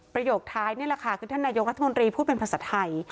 โยคท้ายนี่แหละค่ะคือท่านนายกรัฐมนตรีพูดเป็นภาษาไทย